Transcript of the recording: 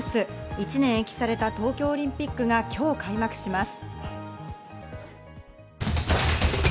１年延期された東京オリンピックが今日開幕します。